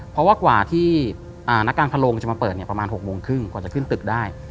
เพราะว่ากว่าที่นักการทะลงจะมาเปิดเนี่ยประมาณ๖โมงครึ่งกว่าจะขึ้นตึกได้